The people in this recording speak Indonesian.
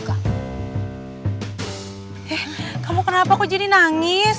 eh kamu kenapa kok jadi nangis